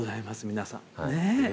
皆さんねぇ。